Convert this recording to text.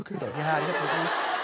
ありがとうございます。